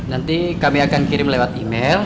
nanti kami akan kirim lewat email